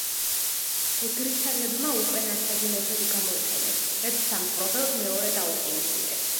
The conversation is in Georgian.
ეგრისელებმა უკვე ნაცადი მეთოდი გამოიყენეს ერთ დამპყრობელს მეორე დაუპირისპირეს.